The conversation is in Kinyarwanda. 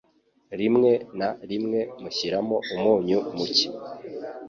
Rimwe na rimwe nshyiramo umunyu muke.